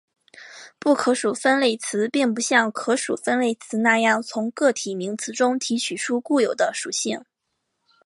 不可数分类词并不像可数分类词那样从个体名词中提取出固有的属性。